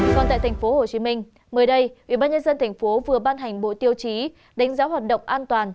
còn tại tp hcm mới đây ubnd tp vừa ban hành bộ tiêu chí đánh giá hoạt động an toàn